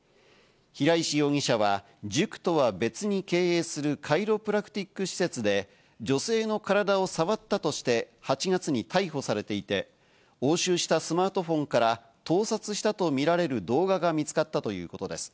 平石容疑者は塾とは別に経営するカイロプラクティック施設で女性の体を触ったとして８月に逮捕されていて、押収したスマートフォンから盗撮したとみられる動画が見つかったということです。